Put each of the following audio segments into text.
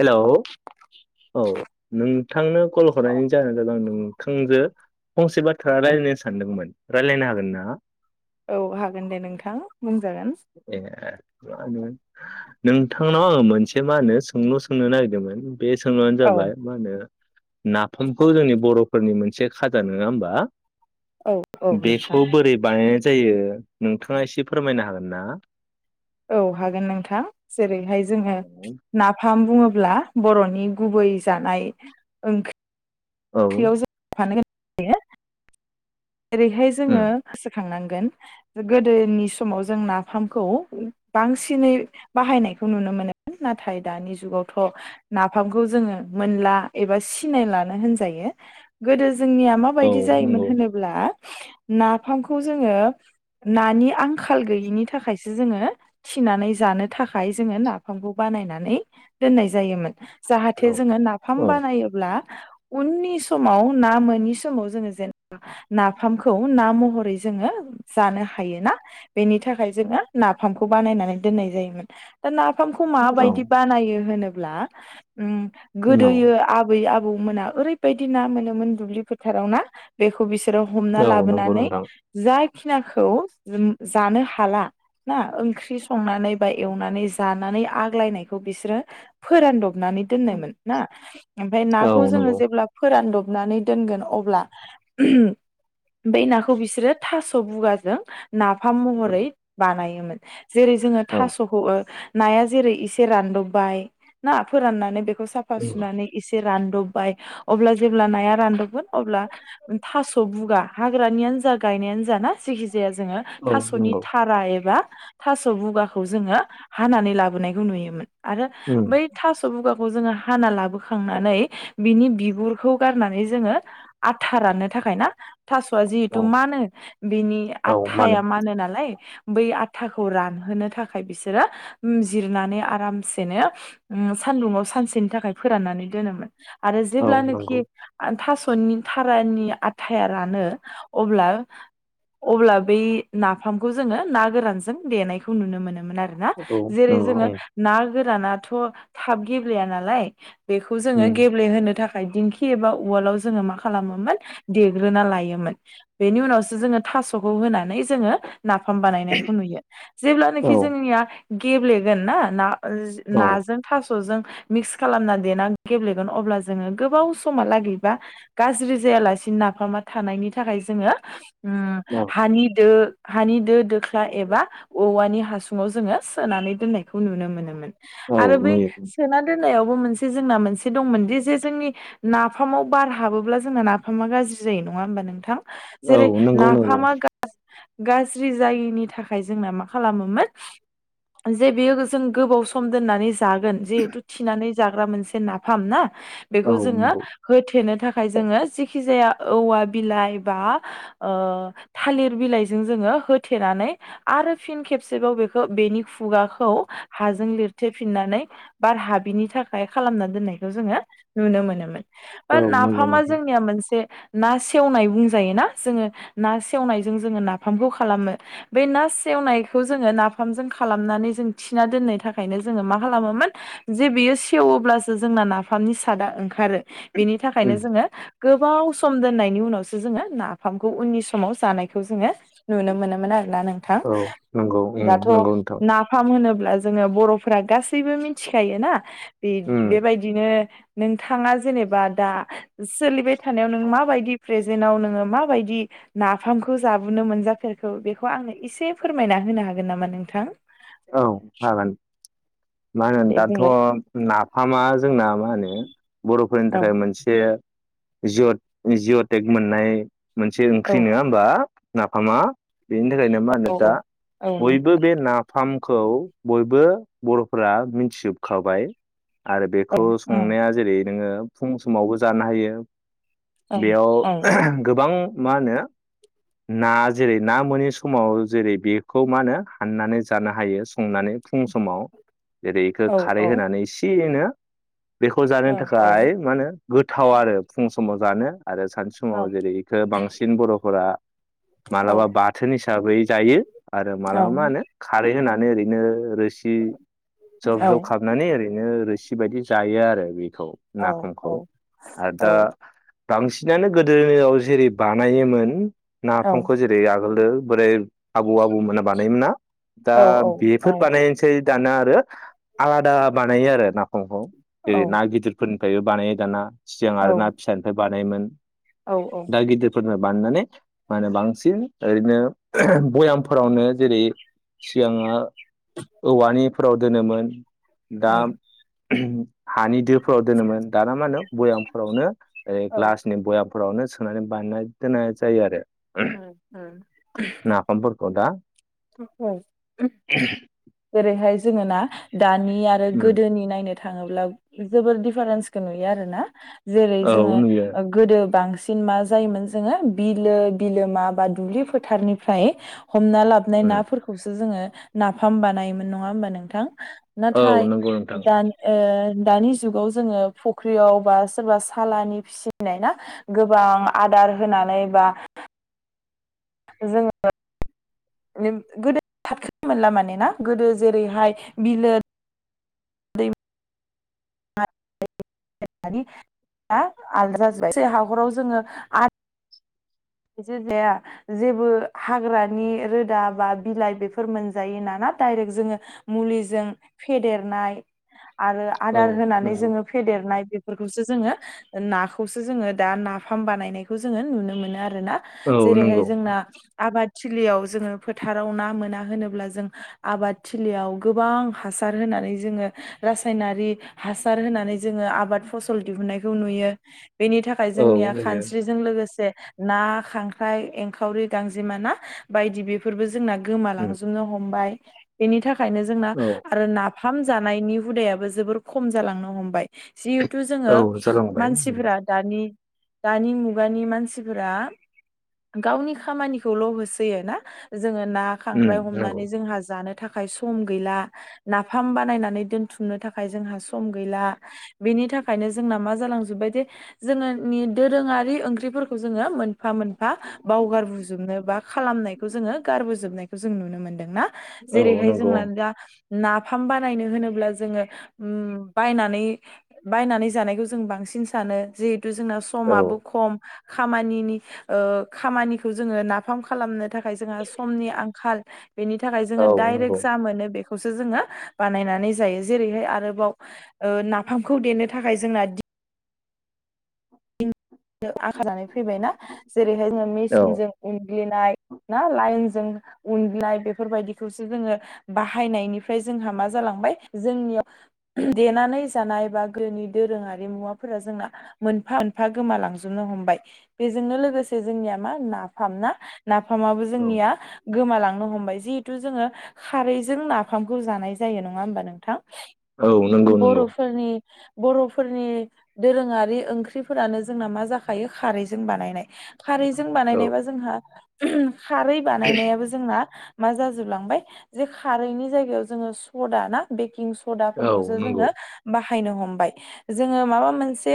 Hello औ नोंथांनो कल हरनायनि जाहोना जानदों। थांजो फंसे बाथ्रा रायलायनो सानदोंमोन रायलायनो हागोन ना? औ हागोन दे नोंथां बुं ए मा होनो नोंथांनाव आङो मोनसे मा होनो सोंलु सोंनो नागिरदोमोन। बे सोंनायानो औ जाबाय मा होनो नाफामखौ जोंनि बर'फोरनि मोनसे खाजा नङा होमबा औ नोंथां बेखौ बोरै बानायनाय जायो जायो नोंथाङा एसे फोरमायनो हागोन ना औ हागोन नोंथां जेरैहाय जोङो नाफाम बुङोब्ला बरनि गुबै जानाय ओंख्रि औ ख्रियाव जों फानो [unintelligible] जेरैहाय उम जोङो गोसोखांनां गोन गोदोनि समाव जों नाफामखौ बांसिनै बाहायनायखौ नुनो मोन नाथाय दानि जुगावथ नाफामखौ जोङो मोनला एबा सिनायलानो होनजायो गोदो जोंनिया औ माबायदि जायोमोन नंगौ होनोबा ब्ला नाफामखौ जोङो नानि आंखाल गैयिनि थाखायसो जोङो थिनानै जानो थाखाय जोङो नाफामखौ बानायनानै दोननाय जायोमोन। औ जाहाथे जोङो नाफाम औ बानायोब्ला उननि समाव ना मोनोनि समाव जोङो जेन नाफामखौ ना महरै जोङो जानो हायोना बेनि थाखाय जोङो नाफामखौ बानायनानै दोननाय जायोमोन दा नाफामखौ फामखौ औ माबायदि बानायो होनो ब्ला उम गोदोयो आबै आबौ आबौ मोना ओरैबायदि ना मोनोमोन दुब्लि फोथाराव ना बेखौ बिसो हमना औ नंगौ लाबोनानै नोंथां जा खिनाखौ उम जानो हाला ना ओंख्रि संनानै बा एवनानै जानानै आग्लायनायखौ बिसोरो फोरानदब नानै दोननोमोन ना ओमफ्राय औ नाखौ जोङो नंगौ जेब्ला फोरान दब नानै दोनगोन अब्ला बे नाखौ बिसोरो थास बुगाजों नाफाम महरै बानायोमोन। [inaudible] जेरै जोङो थासखौ नाया जेरै इसे रानदबबाय ना फोराननानै बेखौ साफा औ सुनानै इसे बे रानदबबाय अब्ला जेब्ला नाया रानदबगोन अब्ला थास बुगा हाग्रानियानो जा गायनायानो जा ना जेखिजाया जाया जोङो औ थासनि नंगौ थारा एबा थास' बुगाखौ जोङो हानानै लाबोनायखौ नुयोमोन। आरो उम बै थास बुगाखौ खौ जोङो हाना लाबो खांनानै बिनि बिगुरखौ गारनानै जोङो आथा राननो थाखाय ना थासआ जिहेथु औ मानो बिनि आथाया मानो नालाय। बै आथाखौ रानहोनो थाखाय बिसोरो उम जिरनानै आरामसेनो उम सानदुंङाव सानसेनि थाखाय फोराननानै दोनोमोन। आरो औ जेब्लानोखि नंगौ आ थास' निफ्राय थारानि आथाया रानो अब्ला अब्ला बै नाफामखौ जोङो ना गोरानजों देनायखौ नुनो मोनोमोन आरो ना औ जेरै नंगौ जोङो उम ना गोरानाथ' थाब गेब्लेया नालाय बेखौ जोङो उम गेब्लेहोनो था खाय दिंखि एबा उवालाव जोङो मा खालामोमोन देग्रोना लायोमोन बेनि उनावसो जोङो थासखौ होनानै जोङो। नाफाम बानायनायखौ नुयो जेब्लानोखि औ जोंनिया गेब्लेगोन ना ना औ नाजों थास जों मिक्स खालामना देना गेब्लेगोन अब्ला जोङो गोबाव समा लागैबा गाज्रि जायालासिनो नाफामा थानायनि थाखाय जोङो। उम औ हानि दो हानि दो दोख्ला एबा औवानि हासुङाव जोङो सोनानै दोननायखौ नुनो मोनोमोन। औ आरो बै नुयो सोना दो नायावबो मोनसे जोंना मोनसे दंमोन दि जे जोंनि नाफामाव बार हाबोब्ला जोंना नाफामा गाज्रि जायो नङा होमबा नोंथां? जेरै औ नंगौ नंगौ। नाफामा गा गाज्रि जायिनि थाखाय जोंना मा खालामोमोन जे बेयो जों गोबाव सम दोननानै जागोन जिहेथु थिनानै जाग्रा मोनसे नाफाम ना? औ बेखौ जोङो नंगौ होथेनो था खाय जोङो जेखि जाया औवा बिलाइ बा ओ थालिर बिलाइजों जोङो होथेनानै आरो फिन खेबसेबाव बेखौ बेनि खुगाखौ हाजों लिरथेफिननानै बार हाबिनि थाखाय खालामना दोननायखौ जोङो नुनो मोनोमोन। औ ओ ना नंगौ फामा नोंथां जोंनिया मोनसे ना सेवनाय बुंजायो ना जोङो ना सेवनायजों जोङो नाफामखौ खालामो बे ना सेवनायखौ जोङो नाफामजों खालामनानै जों थिना दोननो थाखायनो जोङो मा खालामोमोन जे बेयो सेवोब्लासो जोंना नाफामनि सादआ ओंखारो बेनि था खायनो उम जोङो गोबाव सम दोननायनि उनावसो जोङो नाफामखौ उननि समाव जानायखौ जोङो नुनो मोनोमोन आरो। ना नोंथां औ नंगौ उम दाथ नंगौ नोंथां नाफाम होनो ब्ला जोङो बरफोरा गासैबो मिथिखायो ना उम बे-बेबायदिनो नोंथाङा जेनेबा दा सोलिबाय थानायाव नों माबायदि प्रेजेन्टाव नोङो माबायदि नाफामखौ जाबोनो मोनजाफेरखो बेखौ आंनो एसे फोरमायना होनो हागोन नामा नोंथां? औ हागोन मा होनो दे दाथ' बुंलाय नाफामा जोंना मा होनो बर'फोरनि औ थाखाय मोनसे जिअ जिअटेक मोननाय मोनसे औ ओंख्रि नङा होमबा नाफामा बेनि थाखायनो मा औ होनो दा औ बयबो बे नाफाम खौ बयबो बर'फोरा मिथिजोबखाबाय आरो औ बेखौ औ संनाया जेरै नोङो फुं समावबो जानो हायो औ बेयाव गोबां मा होनो ना जेरै ना मोनोनि समाव जेरै बेखौ मा होनो हाननानै जानो हायो संनानै फुं समाव जेरै बेखौ औ खारै होनानै एसेनो बेखौ जानो औ औ थाखाय मा होनो गोथाव आरो फुं समाव जानो आरो सानसे समाव जेरैखो बांसिन बर'फोरा औ माब्लाबा बाथोन हिसाबै जायो आरो औ मालाबा मा होनो खारै होनानै ओरैनो रोसि जब औ जब खालामाबनानै ओरैनो रोसि बायदि जायो आरो बेखौ औ नाफामखौ आरो दा बांसिनानो गोदोनियाव जेरै बानायोमोन औ नाफामखौ जेरै आगोलो बोरै आबौ आबौमोना बानायोमोना दा बेफोर बानायनोसाय दाना आलादा बानायो आरो ना जेरै ना गिदिरफोरनिफ्रायबो बानायो दाना सिगां आरो ना फिसानिफ्राय बानायोमोन औ दा गिदिरफोरना बानायनानै मा होनो बांसिन ओरैनो भयामफोरावनो जेरै सिगाङो औवानि फोराव दोनोमोन औ दा हानि दोफोराव दोनोमोन दाना मा होनो भयामफोरावनो ओरै औ उम ग्लासनि बयाम फोरावनो सोनानै बानायना दोननाय जायो आरो उम उम खदा [inaudible] जेरैहाय जोङो ना दानि आरो उम गोदोनि नायनो थाङोब्ला जोबोर दिफारेन्सखौ नुयो आरोना जेरै औ जोङो नुयो गोदो बांसि सिन मा जायोमोन जोंङो बिलो बिगोमा बा दुब्लि फोथारनिफ्राय हमना ला नाय उम नाफोरखौसो जोङो नाफाम बानायोमोन नङा होमबा नोंथां। औ नाथाय नंगौ नोंथां दानि ओ दानि जुगाव जोङो फुख्रियाव बा सोरबा सालानि फिसिनाय ना गोबां आदार होनानै बा जोङो गोदो [inaudible] मोनला माने ना गोदो जेरैहाय बिलो [inaudible] आलादा जोबबाय [inaudible] हाखराव जोङो आल जायखि जाया जेबो हाग्रानि रोदा बा बिलाइ बेफोर मोनजायो नाना दडायरेक्ट जोङो मुलिजों फेदेरनाय आरो औ आदार होनानै नंगौ जोङो फेदेरनाय बे फोरखौसो जोङो नाखौसो जोङो दा ना फार्म बानायनायखौ जोङो नुनो मोनो आर रैना औ जेरैहाय नंगौ जोंना आबाद थिलियाव जोङो फोथाराव ना मोना होनोब्ला जों आबाद थिलियाव गोबां हासार होनानै जोङो रासायनारि हासार होनानै जोङो आबाद फसल दिहुनन्नायखौ नुयो। बेनि थाखाय औ जोंनिया नुयो खानस्रिजों लोगोसे ना खांख्राइ एंखावरि गांजेमाना बायदि बेफोरबो जोंना उम गोमालांजोबनो हमबाय। एनि थाखा खायनो जोंना औ आरो ना फाम जानायनि हुदायाबो जोबोर खम जालांनो हमबाय‌ जिहेथु जोङो औ जालांबाय उम मानसिफोरा दानि दानि मुगानि मानसि फोरा गावनि खामानिखौल' होसोयो ना? जो जोङो ना खांख्राय उम नंगौ हमनानै जोंहा जानो थाखाय सम गैला नाफाम बानायनानै दोनथुमनो थाखाय जोंहा सम गैला बेनि थाखायनो जोंना मा जालांजोबबाय जे जोङोनि दोरोङारि ओंख्रिफोर खौ जोङो मोनफा मोनफा बावगारबोजोबनो बा खालामनायखौ जोङो गारबोजोबनाय जों नुनो मोन्दों ना औ जेरैहाय नंगौ जोंना दा नाफाम बानायनो होनोब्ला जोङो ओम बायनानै बायनानै जानायखौ जों बांसिन सानो जे दा जोंना औ समाबो खम। खामानिनि ओ खामानिखौ जोङो नाफाम खालामनो थाखाय जोंहा समनि आंखाल बेनि थाखाय जोङो औ नंगौ दडाइरेक्ट जा मोनो बेख खौसो जोङो बानायनानै जायो जेरैहाय आरोबाव ओ नाफामखौ देनो थाखाय जोंना दि आखाजानाय फैबायना जेरैहाय जोङो औ मेसिनजों उन ग्लिनाय ना लाइनजों उननाय बेफोरबायदिखौसो जोङो बाहायनायनिफ्राय जोंहा मा जालांबाय जोंनियाव देनानै जानाय बा ग्रोनि दोरोङारि मुवाफोरा जोंना मोनफा मोनफा गोमालांजोबनो हमबाय बेजोंनो लोगोसे जोंनिया मा नाफाम ना नाफामाबो जोंनिया गोमालां नो हमबाय जिहेथु जोङो खारैजों नाफामखौ जानाय जायो नङा होमबा नोंथां औ नंगौ नंगौ बर'फोरनि बर'फोरनि दोरोङारि ओंख्रिफोरानो जोंना मा जाखायो खारैजों बानायनाय खारैजों औ बानायनायबा जोंहा [unintelligible] खारै बानायनायाबो जोंना मा जाजोबलांबाय जे खारैनि जायगायाव जोङो सदा ना बेकिं स औ सदाफोरखौसो नंगौ जोङो बा हायनो हमबाय जोङो मा मोनसे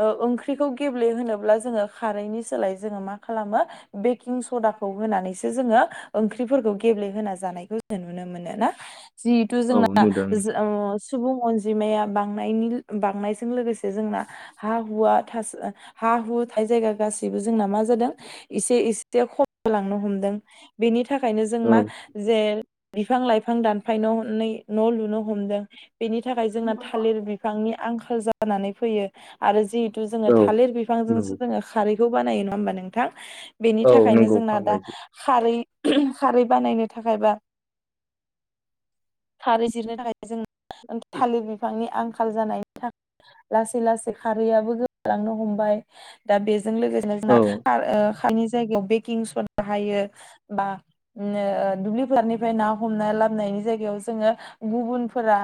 ओ ओंख -ख्रिखौ गेब्लेहोनोब्ला जोङो खारैनि सोलाय जोङो मा खालामो बेकिं सदाखौ होनानैसो जोङो ओंख्रिफोरखौ गेब्लेहोना जानायखौ जों नुनो मोनो ना जिहेतु औ जोंना नुदों ओम सुबुं अनजिमाया बांनायनि बांनायजों लोगोसे जोंना हा हुवा थास हा हु थाइजायगा गासैबो जोंना मा जादों इसे इसे खममाय लांनो हमदों बिनि थाखायनो जों औ मा जे बिफां लाइफां दानफायन'नै न' लुनो हमदों बेनि थाखाय जोंना थालिर बिफांनि आंखाल जा जानानै फैयो आरो जि थु जोङो औ थालिर नंगौ बिफांजोंसो जोङो खारै खौ बानायो नङा होमबा नोंथां? बेनि थाखायनो जोंना औ दा नंगौ खारै खारै बानायनो थाखायबा खारै जिरनो थाखाय जों थालिर बिफांनि आंखाल आखाल जानायनि थाखाय लासै लासै खारैयाबबो गोमालांनो हमबाय दा बे लोगोसे औ जोंना खारो खारैनि जायगायाव बेकिं सदा हायो बा ओ दुब्लिफोरनिफ्राय ना हमना लाब जायगायाव जोङो गुबुनफोरा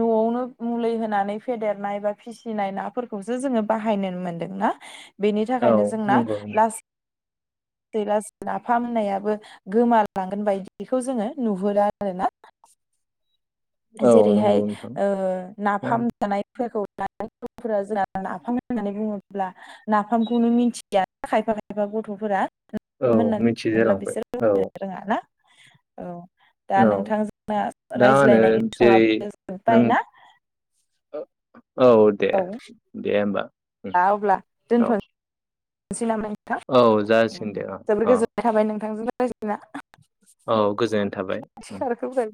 न'आवनो मुलि होनानै फेदेरनाय बा फिसिनाय नाफोरखौसो जोङो बाहायनो मोनदों ना। बेनि औ थाखायनो जोंना नंगौ लासै दैलास नाफाम होननायाबो गोमालांगोन बायदिखौ जोङो नुहुरो आरो ना। औ जेरैहाय नंगौ नोंथां ओ दा नाफाम जानायफोरखौ [unintelligible] फोरा जोंना नाफाम होननानै बुङोब्ला नाफामखौनो मिथिया खायफा खायफा गथ'फोरा। औ होननानै बुङोब्ला मिथिजालांबाय बिसोर औ। रोङा ना औ। दा औ नोंथांजोंना दा आङो रायज्लायनायनि जेरै समाबो जोबबायना। औ। औ दे दे होमबा औ। सै नामा नोंथां औ जासिगोन दे अ अ। जासिगोन ना। औ गोजोननाय थाबाय। रायज्लायना